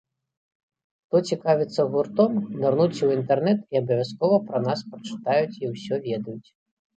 Хто цікавіцца гуртом, нырнуць у інтэрнэт і абавязкова пра нас пачытаюць і ўсё ведаюць.